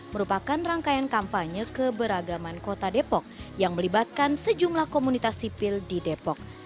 merupakan rangkaian kampanye keberagaman kota depok yang melibatkan sejumlah komunitas sipil di depok